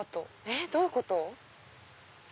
えっどういうこと？